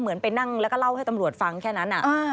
ไปนั่งแล้วก็เล่าให้ตำรวจฟังแค่นั้น